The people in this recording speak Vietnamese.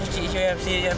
chị cho em xin